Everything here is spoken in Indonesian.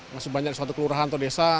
masih banyak di suatu kelurahan atau desa